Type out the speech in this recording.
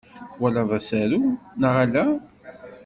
Twalaḍ asaru neɣ ala?